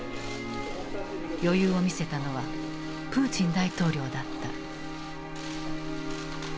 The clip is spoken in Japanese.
余裕を見せたのはプーチン大統領だった。